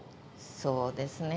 そうですね。